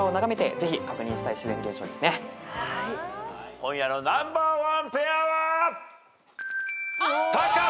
今夜のナンバーワンペアは。